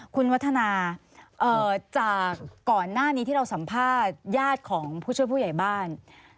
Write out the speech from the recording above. คุณวัฒนาจากก่อนหน้านี้ที่เราสัมภาษณ์ญาติของผู้ช่วยผู้ใหญ่บ้าน